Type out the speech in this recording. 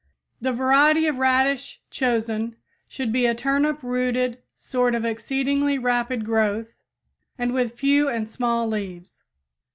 The variety of radish chosen should be a turnip rooted sort of exceedingly rapid growth, and with few and small leaves.